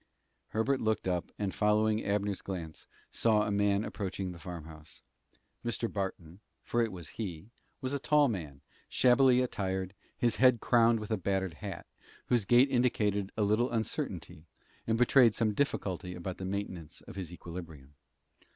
Herbert looked up, and, following Abner's glance, saw a man approaching the farmhouse. Mr. Barton for it was he was a tall man, shabbily attired, his head crowned with a battered hat, whose gait indicated a little uncertainty, and betrayed some difficulty about the maintenance of his equilibrium.